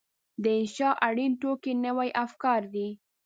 د انشأ اړین توکي نوي افکار دي.